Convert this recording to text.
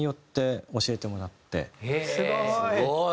すごい！